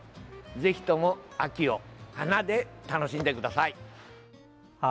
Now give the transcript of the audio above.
ぜひとも秋を花で楽しんでください！